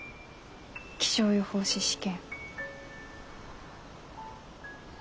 気象予報士試験。